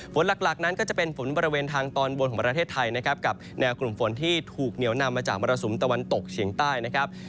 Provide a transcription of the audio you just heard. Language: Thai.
หลักนั้นก็จะเป็นฝนบริเวณทางตอนบนของประเทศไทยนะครับกับแนวกลุ่มฝนที่ถูกเหนียวนำมาจากมรสุมตะวันตกเฉียงใต้นะครับ